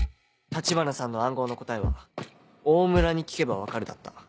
橘さんの暗号の答えは「大村に聞けば分かる」だった。